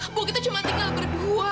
ibu itu cuma tinggal berdua